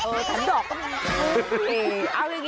เออถังดอกกำลัง